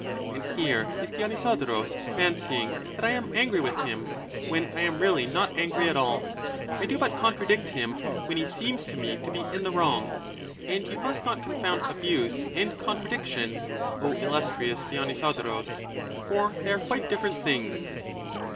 And here is Dionysodorus fancying that I am angry with him, when I am really not angry at all; I do but contradict him when he seems to me to be in the wrong: and you must not confound abuse and contradiction, O illustrious Dionysodorus; for they are quite different things.